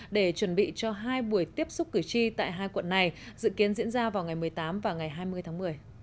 để chuẩn bị cho hai buổi tiếp xúc cử tri tại hai quận này dự kiến diễn ra vào ngày một mươi tám và ngày hai mươi tháng một mươi